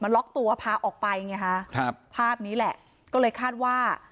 ล็อกตัวพาออกไปไงฮะครับภาพนี้แหละก็เลยคาดว่า